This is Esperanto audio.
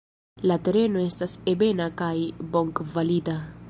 La tereno estas ebena kaj bonkvalita.